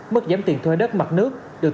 mức giảm tiền thuê đất mặt nước